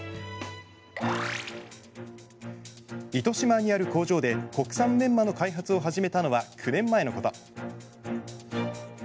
糸島にある工場で国産メンマの開発を始めたのは９年前のこと。